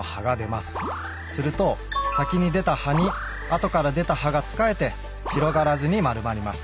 すると先に出た葉に後から出た葉がつかえて広がらずに丸まります。